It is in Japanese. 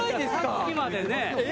さっきまでね。